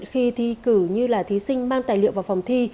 khi thi cử như là thí sinh mang tài liệu vào phòng thi